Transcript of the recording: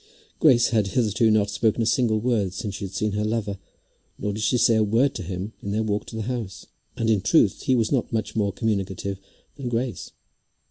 Grace had hitherto not spoken a single word since she had seen her lover, nor did she say a word to him in their walk to the house. And, in truth, he was not much more communicative than Grace.